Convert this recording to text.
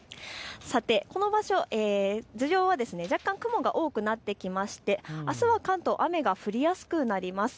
この場所、頭上は若干雲が多くなってきてあすは関東、雨が降りやすくなります。